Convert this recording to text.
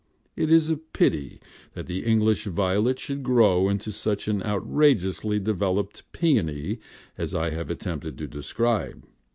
It is a pity that the English violet should grow into such an outrageously developed peony as I have attempted to describe.